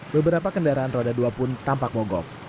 beberapa kendaraan roda dua pun tampak mogok